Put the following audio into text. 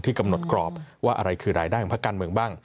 กำหนดกรอบว่าอะไรคือรายได้ของภาคการเมืองบ้าง